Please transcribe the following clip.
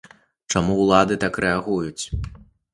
Чаму ўлады так рэагуюць?